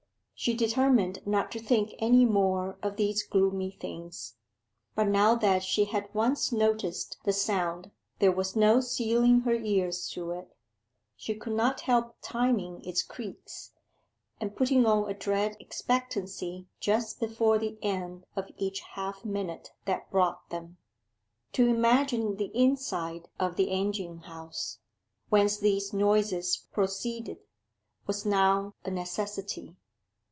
She determined not to think any more of these gloomy things; but now that she had once noticed the sound there was no sealing her ears to it. She could not help timing its creaks, and putting on a dread expectancy just before the end of each half minute that brought them. To imagine the inside of the engine house, whence these noises proceeded, was now a necessity.